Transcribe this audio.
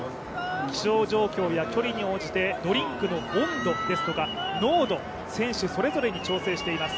気象状況や距離に応じてドリンクの温度や濃度、選手それぞれに調整しています。